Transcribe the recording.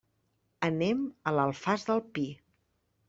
Anem a l'Alfàs del Pi.